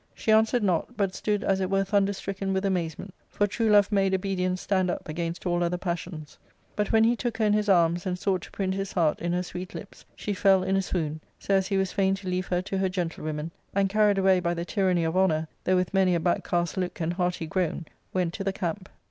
She answered not, but stood as it were thunder stricken with amazement, for true love made obedience stand up against all other passions. But when he took her in his arms, and sought to print his heart in her sweet lips, she fell in a swound, so as he was fain to leave her to her gentlewomen ; and, carried away by the tyranny of honour, though with many a back cast look and hearty groan, went to the camp.